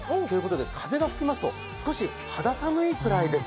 風が吹きますと少し肌寒いくらいです。